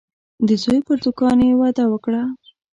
د زوی پر دوکان یې وعده وکړه.